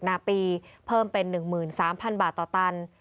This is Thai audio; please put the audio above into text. นาปีเพิ่มเป็น๑๓๐๐๐บาทต่อตัน